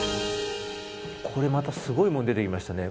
これまたすごいもの出てきましたね。